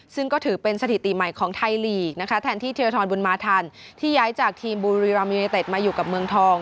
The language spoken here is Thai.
ซึ่งก็ถือเป็นสถิติใหม่ของไทยลีกนะคะแทนที่เทียทรบุญมาทันที่ย้ายจากทีมบุรีรัมยูเนเต็ดมาอยู่กับเมืองทอง